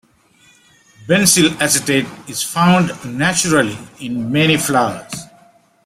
Benzyl acetate is found naturally in many flowers.